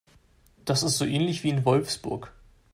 Das ist so ähnlich wie in Wolfsburg